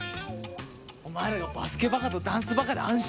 お前らがバスケバカとダンスバカで安心したわ！